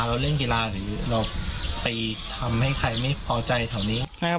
เราเล่นกีฬาหรือเราไปทำให้ใครไม่พอใจแถวนี้